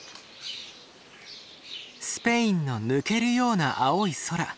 スペインの抜けるような青い空。